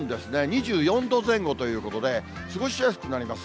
２４度前後ということで、過ごしやすくなります。